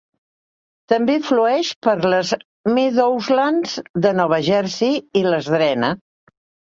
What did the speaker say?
També flueix per les Meadowlands de Nova Jersey i les drena.